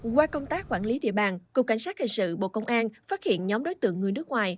qua công tác quản lý địa bàn cục cảnh sát hình sự bộ công an phát hiện nhóm đối tượng người nước ngoài